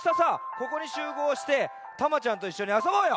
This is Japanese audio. ここにしゅうごうしてタマちゃんといっしょにあそぼうよ！